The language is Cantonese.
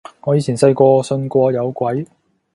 我以前細個信過有鬼